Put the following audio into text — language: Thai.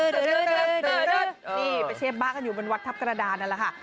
นี่ไปเชฟบ้ากันอยู่บนวัดทัพกระดานนั่นแหละค่ะ